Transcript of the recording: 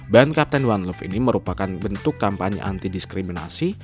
band captain one love ini merupakan bentuk kampanye anti diskriminasi